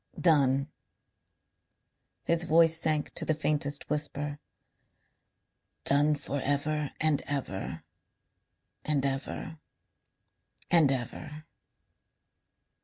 "Done." His voice sank to the faintest whisper. "Done for ever and ever... and ever... and ever."